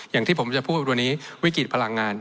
อย่างที่ผมจะพูดวันนี้วิกฤตพลังงาน